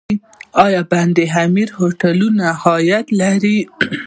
آیا د بند امیر هوټلونه عاید لري؟